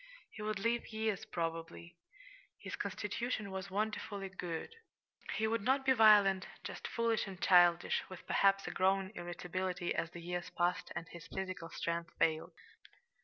He would live years, probably. His constitution was wonderfully good. He would not be violent just foolish and childish, with perhaps a growing irritability as the years passed and his physical strength failed.